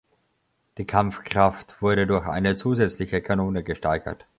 Die Kampfkraft wurde durch eine zusätzliche Kanone gesteigert.